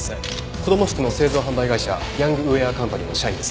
子供服の製造販売会社ヤングウェアカンパニーの社員です。